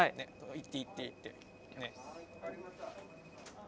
行って行って行ってね。